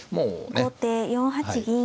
後手４八銀。